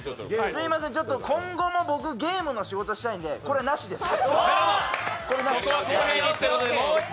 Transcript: すいません、今後もゲームの仕事したいんでこれはナシです。